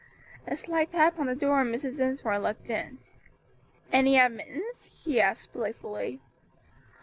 A slight tap on the door and Mrs. Dinsmore looked in. "Any admittance?" she asked playfully.